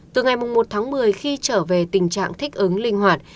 từ ngày một tháng một mươi khi trở về tình trạng thích ứng linh hoạt